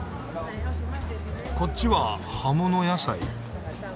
こっちは葉もの野菜？